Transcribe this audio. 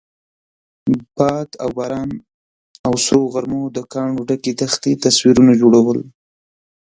باد او باران او سرو غرمو د کاڼو ډکې دښتې تصویرونه جوړول.